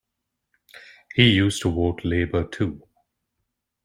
He used to vote Labour, too.